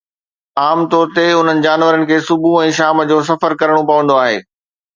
عام طور تي، انهن جانورن کي صبح ۽ شام جو سفر ڪرڻو پوندو آهي